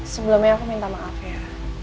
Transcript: sebelumnya aku minta maaf ya